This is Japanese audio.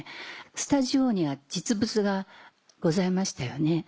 スタジオには実物がございましたよね。